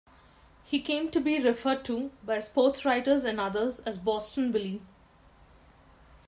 He came to be referred to by sportswriters and others as "Boston Billy".